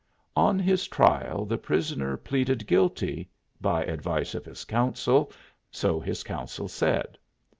On his trial the prisoner pleaded guilty "by advice of his counsel," so his counsel said.